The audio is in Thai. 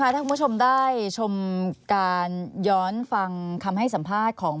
ถ้าคุณผู้ชมได้ชมการย้อนฟังคำให้สัมภาษณ์ของ